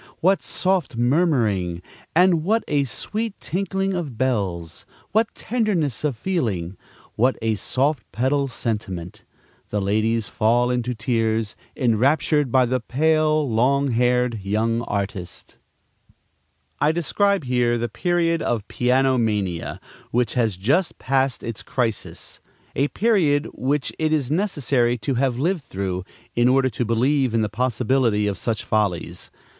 what soft murmuring, and what a sweet tinkling of bells! what tenderness of feeling! what a soft pedal sentiment! The ladies fall into tears, enraptured by the pale, long haired young artist. I describe here the period of piano mania, which has just passed its crisis; a period which it is necessary to have lived through, in order to believe in the possibility of such follies.